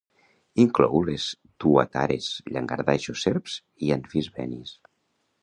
Inclou les tuatares, llangardaixos, serps i amfisbenis.